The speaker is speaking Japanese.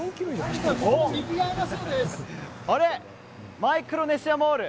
マイクロネシアモール。